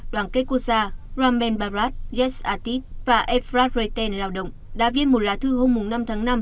đoàn kết quốc gia ramben barad yesh atit và efrat reiten lao động đã viết một lá thư hôm năm tháng năm